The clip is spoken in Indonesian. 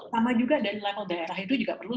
sama juga dari level daerah itu juga perlu